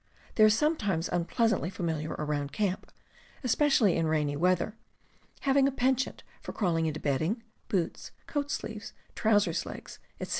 They are sometimes unpleasantly familiar around camp, especially in rainy weather, having a penchant for crawling into bedding, boots, coat sleeves, trousers' legs, etc.